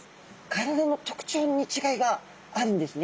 体の特徴に違いがあるんですね。